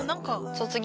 卒業？